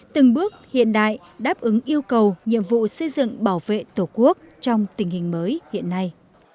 từng bước hiện đại đáp ứng yêu cầu nhiệm vụ xây dựng bảo vệ tổ quốc trong tình hình mới hiện nay